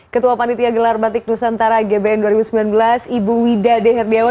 ketua panitia gelar batik nusantara gbn dua ribu sembilan belas ibu wida deh herdiawan